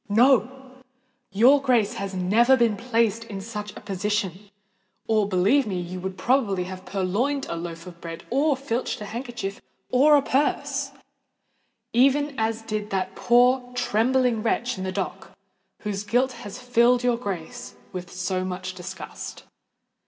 No—your Grace has never been placed in such a position; or, believe me, you would probably have purloined a loaf of bread or filched a handkerchief or a purse—even as did that poor trembling wretch in the dock, whose guilt has filled your Grace with so much disgust!